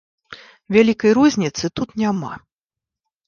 Вялікай розніцы тут няма.